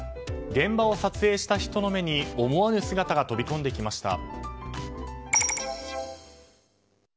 現場を撮影した人の目に思わぬ姿が飛び込んできました。